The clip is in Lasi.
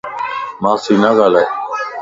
مانسين نه ڳالھائي